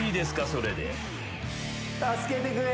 それで。